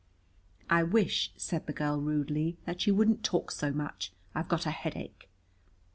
"I wish," said the girl rudely, "that you wouldn't talk so much. I've got a headache."